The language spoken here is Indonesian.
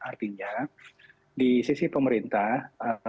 artinya di sisi pemerintah